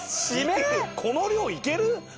この量行ける？